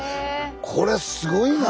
これすごいなあ。